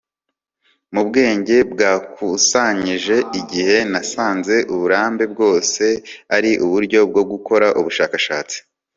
mu bwenge bwakusanyije igihe nasanze uburambe bwose ari uburyo bwo gukora ubushakashatsi